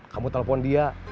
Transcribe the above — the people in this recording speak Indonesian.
kamu telepon dia